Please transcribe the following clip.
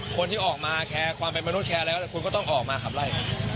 คนที่ออกมาแชร์ความเป็นมนุษย์แชร์แล้วคุณก็ต้องออกมาขับไล่